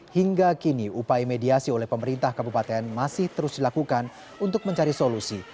hingga kini upaya mediasi oleh pemerintah kabupaten masih terus dilakukan untuk mencari solusi